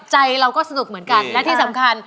ใจเราก็สนุกเหมือนกันและที่สำคัญ